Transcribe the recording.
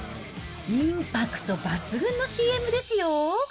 インパクト抜群のＣＭですよ。